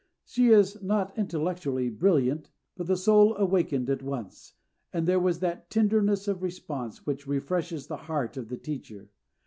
She is not intellectually brilliant, but the soul awakened at once, and there was that tenderness of response which refreshes the heart of the teacher.